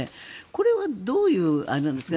これはどういうあれなんですか？